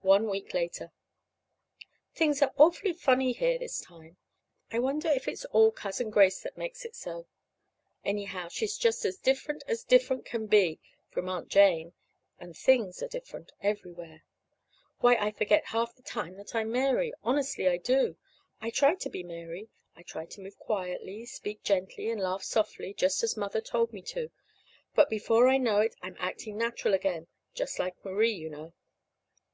One week later. Things are awfully funny here this time. I wonder if it's all Cousin Grace that makes it so. Anyhow, she's just as different as different can be from Aunt Jane. And things are different, everywhere. Why, I forget half the time that I'm Mary. Honestly, I do. I try to be Mary. I try to move quietly, speak gently, and laugh softly, just as Mother told me to. But before I know it I'm acting natural again just like Marie, you know.